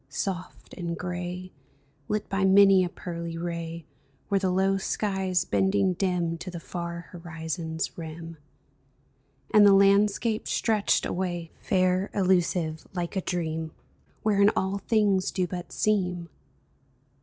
Soft and gray. Lit by many a pearly ray, Were the low skies bending dim To the far horizon's rim ; And the landscape stretched away, Fair, illusive, like a dream Wherein all things do but seem